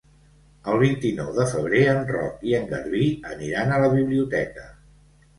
El vint-i-nou de febrer en Roc i en Garbí aniran a la biblioteca.